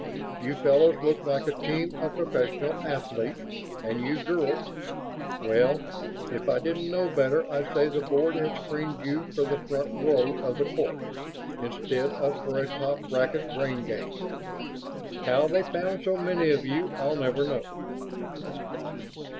You fellows look like a team of professional athletes, and you girls well, if I didn't know better I'd say the Board had screened you for the front row of the chorus instead of for a top bracket brain gang. How they found so many of you I'll never know."